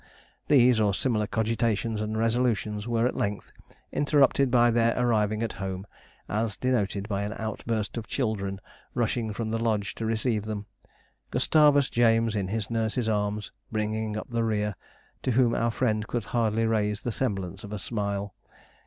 These, or similar cogitations and resolutions were, at length, interrupted by their arriving at home, as denoted by an outburst of children rushing from the lodge to receive them Gustavus James, in his nurse's arms, bringing up the rear, to whom our friend could hardly raise the semblance of a smile.